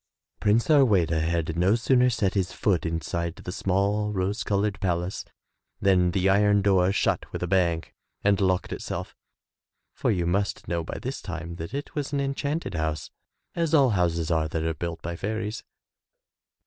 Prince Harweda had no sooner set his foot inside the small, rose colored palace than the iron door shut with a bang and locked itself. For you must know by this time that it was an enchanted house, as all houses are that are built by fairies.